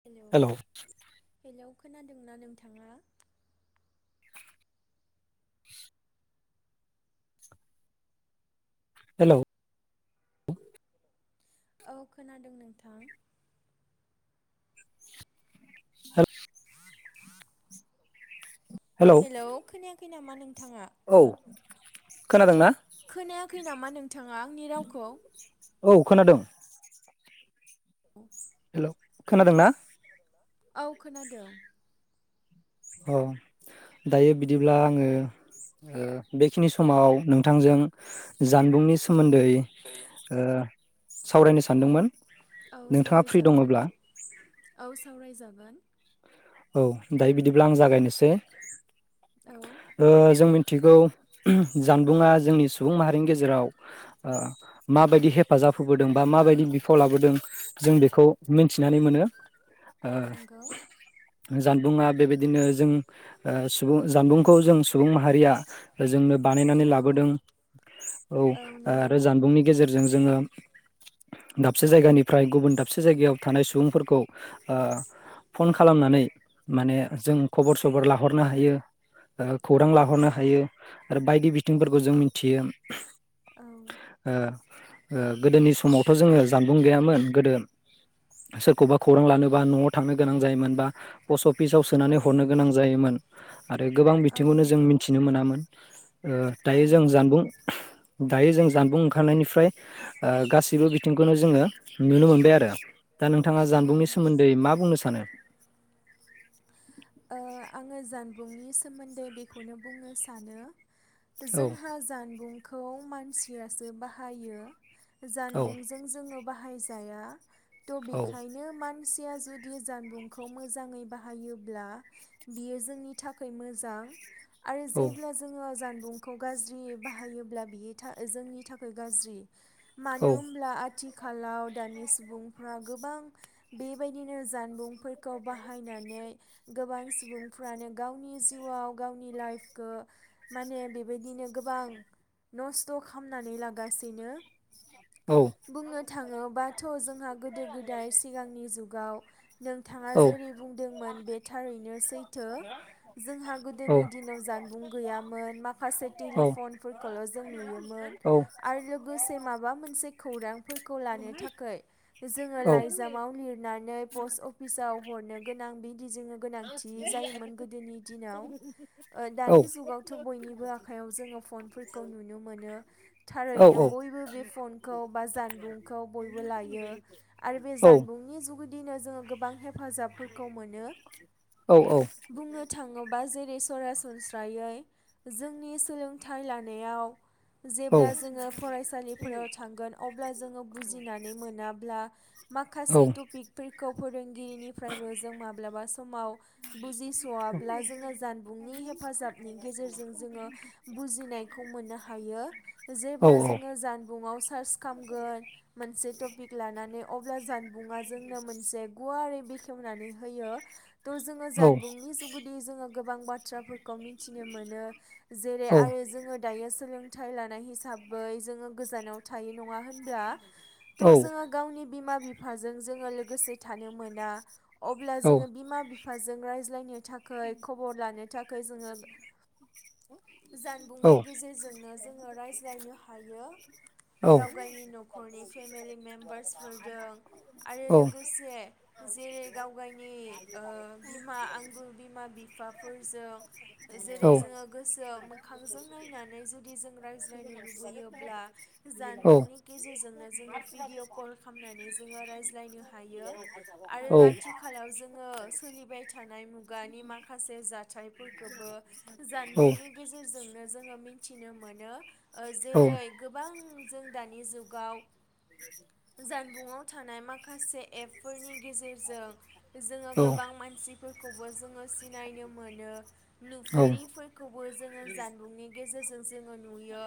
Hello hello खोनादोंना नोंथाङा? Hello औ खोनादों नोंथां। हेलप हेलौ खोनायाख खै नामा नों? औ खोनादोंना? खोनायाखै नामा नोंथाङा आंनि रावखौ? औ खोनादों औ हेल' खोनादों ना? औ खोनादों। अ' दायो बिदिब्ला आङो ओ बेखिनि समाव नोंथांजों जानबुंनि सोमोन्द दै ओ सावरायनो सानदोंमोन। औ नोंथाङा फ्रि सावरायजागोन दङब्ला औ सावरायजागोन। औ दायो बिदिब्ला आं जागायनोसै। औ ओ जों मिन थिगौ जानबुंङा जोंनि सुबुं माहारिनि गेजेराव ओ माबायदि हेफाजाब होबोदों बा माबायदि बिफाव लाबोदों जों बेखौ मिथिनानै मोनो औ नंगौ ओ जानबुंङा बेबायदिनो जों ओ सुबुं जानबुंखौ जों सुबुं माहारिया जोंनो बानायनानै औ लाबोदों औ आरो जानबुंनि गेजेरजों जोङो दा दाबसे जायगानिफ्राय गुबुन दाबसे जायगायाव थानाय सुबुंफोरखौ ओ फन खालामनानै माने जों खबर सबर लाहरनो हायो। ओ औ खौरां लाहरनो नंगौ हायो आरो बायदि बि थिंफोरबो जों मिथियो। औ। ओ गोदोनि समावथ' जोङो जानबुं गैयामोन गोदो सोरखौबा खौरां लानोबा न'आव थांनो गोनां जायोमोन बा पस्ट अफिसाव औ सोनानै हरनो गोनां जायोमोन। आरो गोबां औ बिथिंखौनो जों नंगौ मिथिनो मोनामोन। [inaudible] ओ औ दायो जों जानबुं दायो जों जानबुं ओंखारनायनिफ्राय ओ गासैबो बिथिंखौनो जोङो नुनो मोनबाय आरो। दा नोंथाङा औ जानबुंनि ओ सोमोन्दै मा बुंनो सानो? [inaudible] ओ आङो जान बुंनि सोमोन्दै बेखौनो बुंनो सानो औ जोंहा जानबुं खौ मानसियासो बाहायो। औ जानबुंजों जोङो बाहायजाया। त औ बिखायनो मान सिया जुदि जानबुंखौ मोजाङै बाहायोब्ला। बियो जोंनि थाखाय मोजां। आरो औ जेब्ला जोङो जान बुंखौ गाज्रि बाहायोब्ला बियो था जोंनि थाखाय गाज्रि। औ मानो होमब्ला आ थिखालाव दानि सुबुंफ्रा गोबां बेबायदिनो जानबुंफोरखौ बाहायनानै गोबां सुबुंफ्रानो गावनि जिउआव गावनि लाइफखो माने बेबायदिनो गोबां नस्थ' खालामनानै लागासिनो। औ बुंनो थांङोबाथ' जों हा गोदो गोदाय सिगांनि जुगाव नोंथाङा औ जेरै बुंदोंमोन बे ओरैनो सैथो जोंहा गोदोनि दिनाव जानबुं गैयामोन माखासे टेलिफनफोरखौल' जों नुयोमोन औ आरो लोगोसे माबा मोनसे बे खौरां फोरखौ लानो थाखाय जोङो लाइजामाव लिरनानै पस्ट अफिसाव हरनो गोनां बिदि जोङो गोनांथि जायोमोन गोदोनि दिनाव ओ दानि जुगावथ' बयनिबो आखयाव जोङो फनफोरखौ नुनो मोनो थारैनो बयबो बे फनखौ बा जानबुंखौ बयबो लायो आरो बे जानबुंनि जु नै जोङो गोबां हे फाजाबफोरखौ मोनो बुंनो थाङोब्ला दा जेरै सरासनस्रायै जोंनि सोलोंथाइ लानायाव जेब्ला जोङो फरायसालिफोराव थांगोन अब्ला जोङो बुजिनानै मोनाब्ला माखासे टपिकफोरखौ फोरों- बिरिनिफ्रायबो जों माब्लाबा सम माव बुजिस'वाब्ला जोङो जानबुंनि हेफाजाबनि गेजेरजों जोङो बुजिनायखौ मोननो हायो जेब्ला जोङो जानबुंआव सार्च खालामगोन मोनसे टपिक लानानै अब्ला जान बुङा जोंनो मोनसे गुवारै बेखेवनानै होयो थ' जोङो जानबुंनि जुगुदि जोङो गोबां बाथ्राफोर खौ मिथिनो मोनो जेरै आयो जोंङो दायो सोंलों थाइ लानाय हिसाबै जोङो गोजानाव थायो नङा होनब्ला थ' जोङो गावनि बिमा बिफाजों जोङो लोगोसे थानो मोना अब्ला जोंङो बिमा जों रायज्लायनो थाखै खबर लानो था खौजोङो जानबुंनि गेजेरजोंनो जोङो रायज्लायनो हायो औ गावगायनि न'खरनि फेमिलि मेम्बार्सफोरदों आरो औ लोगोसे जेरै गावगायनि ओ बिमा आंगुर बिमा बिफाफोरजों औ जेरै जोङो गोसोआव मोखांजों नायनानै जुदि जों रायज्लायनो लुबैयोब्ला जानबुंनि गेजेरजोंनो जोङो भिडिअ कल खालामनानै जोङो रायज्लायनो हायो आरो आथिखालाव जों ओ सोलि बोबाय थानाय मुगानि माखासे जाथायफोरखौबो जानबुंनि गेजेरजों जोङो मिथिनो मोनो। ओ जेरै गोबां जों दानि जुगाव। [inaudible] जानबुंआव थानाय माखासे एपफोरनि गेजेरजों जोङो गोबां मान सिफोरखौबो जोङो सिनायनो मोनो नुफेरिफोरखौबो जोङो जानबुंनि गेजेर गेजेरजों जोङो नुयो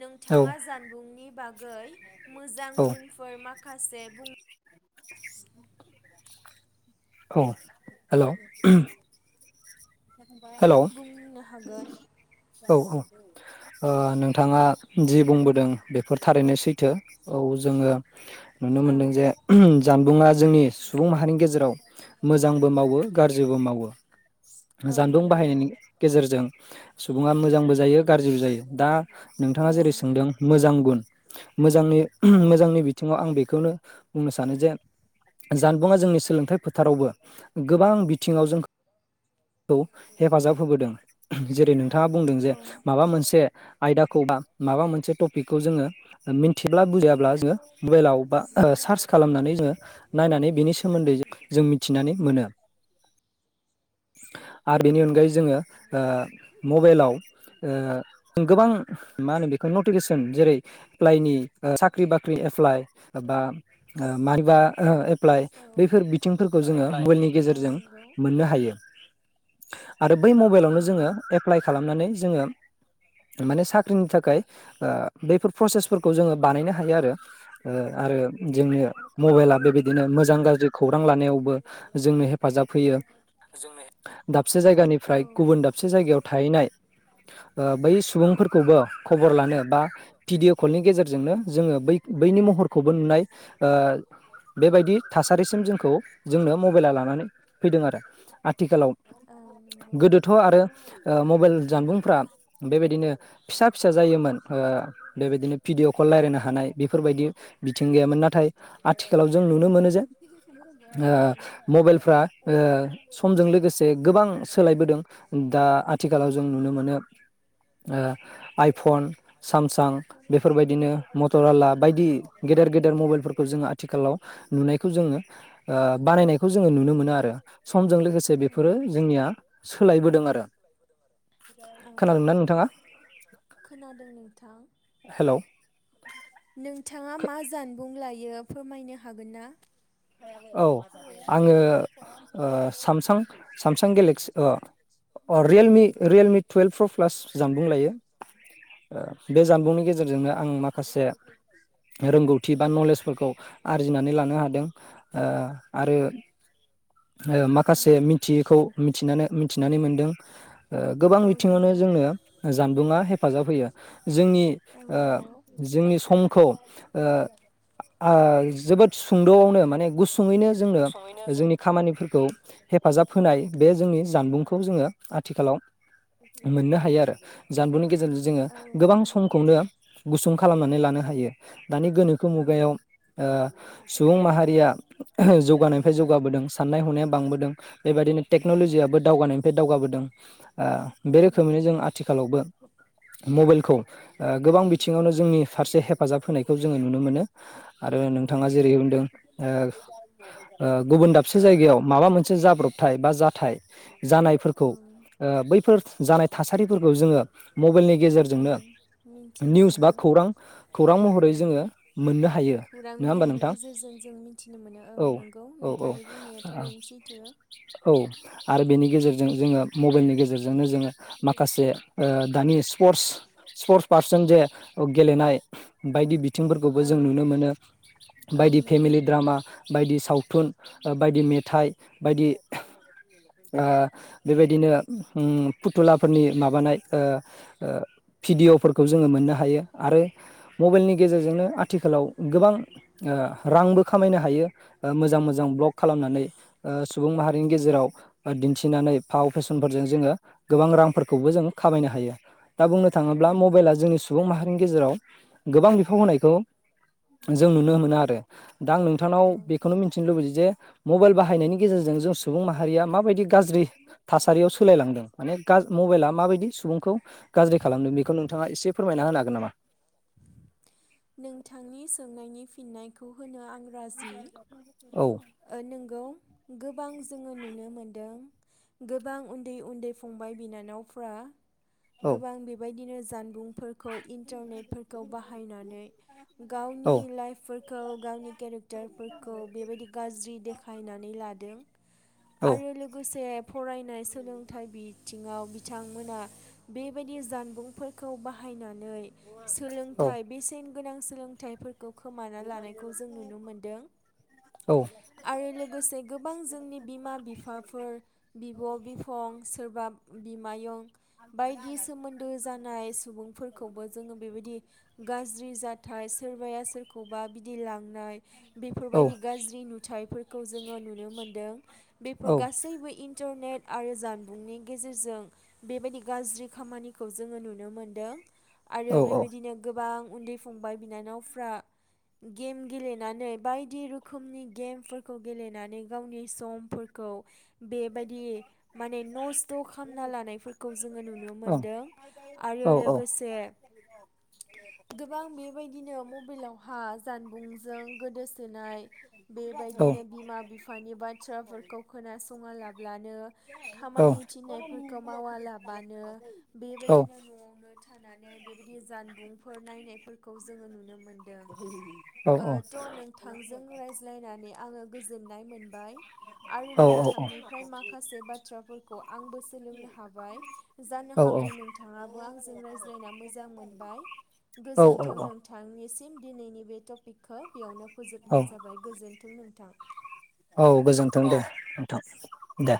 नोंथाङा जानबुंनि बागै गै मोजां गुनफोर मा माखासे बुं औ हेल्ल' हेल्ल औ। बुंनो हागोन ओ नोंथाङा जि बुंबोदों बेफोर थारैनो सैथो औ जोङो नुनो औ मोनदों जे जानबुंङा जोंनि सुबुं माहारिनि गेजेराव मोजांबो मावो गाज्रिबो मावो। औ जानबुं नंगौ बाहायनायनि गेजेरजों सुबुङा मोजांबो जायो गाज्रिबो जायो दा औ नोंथाङा जेरै सोंदों मोजां गुन [inaudible] मोजांनि औ मोजांनि बिथिङाव आं बे बेखौनो बुंनो सानो जे जानबुङा जोंनि सोलोंथाइ फोथारावबो गोबां बिथिङाव जों खौ हेफाजाब होबोदों जेरै नों थाङा बुंदों जे माबा मोनसे आयदाखौ बा माबा मोनसे टपिकखौ जोङो मिथियाब्ला बुजायाब्ला जोङो मबाइलाव बा सार्च खालामनानै जोङो नायनानै बिनि सोमोन्दै जों मिथिनानै मोनो। आरो बेनि अनगायै जोङो ओ मबाइलाव ओ गोबां मा होनो बेखौ नटिफिकेसन जेरै एप्लाइनि साख्रि बाख्रि एप्लाइ बा मानिबा एप्लाइ औ बैफोर बिथिंफोरखौ औ जोङो एप्लाइ मबाइलनि औ गेजेरजों नंगौ मोननो हायो आरो बै मबाइलावनो औ जोङो एप्लाइ खालामनानै जोङो माने साख्रिनि थाखाय बेैफोर प्रसेसफोरखौ जोङो बानायनो हायो आरो आरो जोंनो औ मबाइला नंगौ बेबायदिनो मोजां गाज्रि खौरां लानायावबो जोंनो हेफाजाब होयो जोंनि दाबसे औ जायगानिफ्राय गुबुन दाबसे जायगायाव थाहैनाय बै सुबुंफोरखौबो खबर लानो बा भिडिअ' कलनि गेजेरजोंनो जोङो बै बैनि महरखौबो नुनाय ओ बेबायदि थासारिसिम जोंखौ जोंनो मबाइला लानानै फैदों आरो आथिखालाव औ नंगौ गोदोथ' आरो मबाइल जानबुंफ्रा बेबायदिनो फिसा फिसा जायोमोन ओ बेबायदिनो भिडिअ' कल रायलायनो हानाय बेफोरबायदि बिथिं गैयामोन नाथाय आथिखालाव जों नुनो मोनो जे ओ मबाइलफ्रा ओ समजों लोगोसे गोबां सोलायबोदों दा आथिखालाव जों नुनो मोनो आइफन सामसां बेफोरबायदिनो मटर आला बायदि गेदेर गेदेर मबाइलफोरखौ जोङो आथिखालाव नुनायखौ जोङो ओ बानायनायखौ जोङो नुनो मोनो आरो समजों लोगोसे औ बेफोरो नंगौ जोंनिया सोलायबोदों आरो औ खोनादोंना नोंथाङा खोनादों नोंथां हेलौ नोंथाङा मा जानबुं लायो बियो फोरमायनो हागोन ना औ आङो सामसां सामसां गेलेक्सि अ रियेलमि रियेलमि टुवेल्भ प्र' प्लास जानबुं लायो बे जानबुंनि गेजेरजोंनो आं माखासे रोंगौथि बा नलेजफोरखौ आरजिनानै लानो हादों ओ आरो ओ औ माखासे मिथियैखौ मिथिनानै मोनदों गोबां औ बिथिङावनो नंगौ जोंनो जानबुंङा हेफाजाब होयो जोंनि औ ओ नंगौ जोंनि समखौ ओ जोबोद सुंद'आवनो माने गुस थुङैनो जोंनो सङैनो जों जोंनि हेफोरखौ हेफाब होनाय बे जोंनि जानुं जोङो आथिखालाव मोननो हायो आरो जानबुंनि गेजेरजों जोंङो औ गोबां नंगौ समखौनो गुसुं खालामनानै लानो हायो दानि गोनोखो औ मुगायाव सुबुं माहारिया औ जौगानायनिफ्राय जौगाबोदों नायहरनाया बांबोदों बेबायदिनो नंगौ टेक्न'लजियाबबो दावगानायनिफ्राय दावगाबोदों ओ औ बे रोखोमैनो नंगौ जों आथिखालावबो मबाइलखौ ओ गोबां बिथिङावनो जोंनि फारसे हेफाजाब होनायखौ जोङो नुनो मोनो आरो औ नोंथाङा जेरै होनदों ओ ओ गुबुन फिसा ओ जायगायाव माबा मोनसे जाब्रबथाय बा जाथाय जानायफोरखौ ओ औ बैफोर जानाय थासारिफोरखौ जोङो मबाइलनि औ गेजेरजोंनो मिन्थिनो निउस बा मोनो खौरां खौरां महरै औ जोङो मोननो हायो खौरां नङा होमबा बिलाइनि नोंथां गेजेरजों जों मिथिनो मोनो औ नंगौ औ औ। नोंथांनि बुंनाया थारैनो सैथो ओ औ आरो बेनि गेजेरजों जोंङो मबाइलनि गेजेरजोंनो जोंङो माखासे ओ दानि स्पिर्टस स्पिर्टस पारसेन जे ओ गेलेनाय बायदि बि थिंफोरखौबो औ जों नुनो मोनो औ बायदि फेमिलि नंगौ द्रामा बायदि सावथुन ओ बायदि मेथाइ बायदि ओ बेबायदिनो उम फुथुलाफोरनि माबानाय भिडिअ'फोरखौ जोंङो मोननो हायो। आरो मबाइलनि गेजेरजोंनो आथिखालाव गोबां रांबो खामायनो हायो मोजां मोजां ब्लग खालामनानै ओ सुबुं माहारिनि गेजेराव दिन्थिनानै फाव फेसनफोरजों जोंङो गोबां रांफोरखौबो जों खामायनो हायो। दा बुंनो औ थांङोब्ला नंगौ मबाइला जोंनि सुबुं माहारिनि गेजेराव गोबां बिफाव होनायखौ जों नुनो मोनो आरो दा आं नोंथांनाव औ बेखौनो मिथिनो लुबैयो जे मबाइल बाहायनायनि गेजेरजों जों सुबुं माहारिया माबायदि गाज्रि थासारियाव सोलायलांदों माने मबाइला माबायदि सुबुंखौ गाज्रि खालामदों बेखौ नोंथांङा एसे फोरमायना होनो हागोन नामा? नोंथांनि सोंनायनि फिन्नायखौ होनो आं राजि [inaudible] ओ नोंगौ। गोबां जोंङो नुनो मोनदों गोबां उन्दै-उन्दै फंबाय बिनानावफ्रा औ गोबां बेबायदिनो जानबुंफोरखौ इन्टारनेट फोरखौ बाहायनानै गावनि औ लाइफ फोर खो गावनि केरेग टार फोरखौ बेबायदि जि देखायनानै लादों औ आरो लोगोसे फरायनाय सोलोंथाइ बिथिंङाव बिथांमोना बेबायदि जानबुंफोर खौ बाहायना नै औ सोलोंथाइ बेसेन गोनां सोलोंथाइफोर खौ खोमाना लानायखौ जों नुनो मोनदों। औ आरो लोगोसे गोबां जोंनि बिमा, बिफाफोर, बिब', बिफं सोरबा बिमायं बायदि सोमोन्दो जानाय सुबुंफोरखौबो जोंङो बेबायदि गाज्रि जाथाय सोरबाया सोरखौबा बिदि लांनाय बेफोर औ बायदि गाज्रि नुथाइफोरखौ जोंङो नुनो मोन्दों। बेफोर औ गासैबो इन्टारनेट आरो जानबुंनि गेजेरजों बेबायदि गाज्रि खामानिखौ जोङो नुनो मोनदों। औ आरो औ औ बेबायदिनो गोबां उन्दै फंबाय बिनानावफ्रा गेम गेलेनानै बायदि रोखोम रोखोमनि गेमफोरखौ गेलेनानै गावनि समफोरखौ बेबायदि माने नस्थ' खामना लानायफोरखौ जोङो नुनो मोनदों। आरो लोगोसे गोबां बेबायदिनो मबाइलावहा जानबुंजों गोदोसोनाय बेबायदिनो बिमा बिफानि बाथ्राफोरखौ खोनासंआ लाब्लानो खामानि थिननायफोरखौ मावालाबानो बेबायदिनो न'आवनो थाना बेबायदि जानबुंफोर नायनायफोरखौ जोङो नुनो मोन औ औ रायज्लायनानै आंङो गोजोननाय मोन बाइ आरो नोंथांनिफ्राय माखासे बाथ्राफोरखौ आंबो सोलोंनो हाबाय, जानो हागौ नोंथाङाबो आंजों रायज्लायना मोजां मोनबाय, औ गोजोन्थों नोंथांनिसिम ‌। दिनैनि बे ट'पिक खौ बेयावनो फोजोब औ नाय जाबाय गोजोन्थों नोंथां। औ गोजोनथों दे औ नोंथां। दे